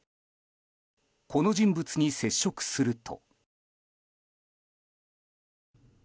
この人物に接触すると。